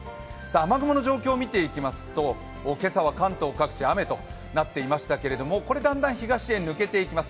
雨雲の状況を見ていきますと今朝は関東各地雨となっていましたけれどもだんだん東へ抜けていきます。